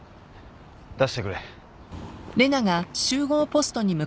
出してくれ。